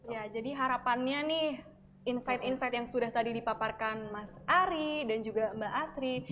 ya jadi harapannya nih insight insight yang sudah tadi dipaparkan mas ari dan juga mbak asri